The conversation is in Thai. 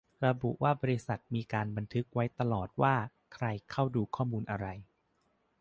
ระบุว่าบริษัทมีการบันทึกไว้ตลอดว่าใครเข้าดูข้อมูลอะไร